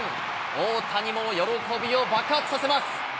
大谷も喜びを爆発させます。